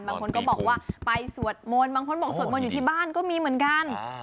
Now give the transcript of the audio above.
บางคนก็บอกว่าไปสวดมนต์บางคนบอกสวดมนต์อยู่ที่บ้านก็มีเหมือนกัน